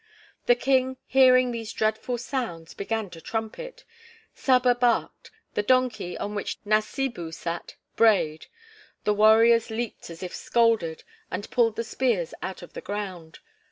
The King hearing these dreadful sounds, began to trumpet, Saba barked, the donkey, on which Nasibu sat, brayed. The warriors leaped as if scalded, and pulled the spears out of the ground.